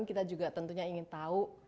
kita juga tentunya ingin tahu